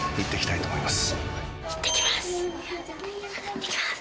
いってきます。